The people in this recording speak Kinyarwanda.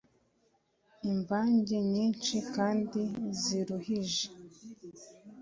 Imvange Nyinshi kandi Ziruhije